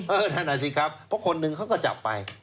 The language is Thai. เพราะคนนึงเขาก็จับไป